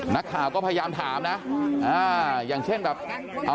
นักข่าวก็พยายามถามนะอ่าอย่างเช่นแบบเอา